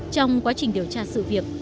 trong quá trình điều tra sự việc